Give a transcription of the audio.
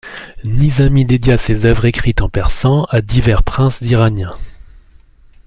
Nizami dédia ses œuvres écrites en persan à divers princes iraniens.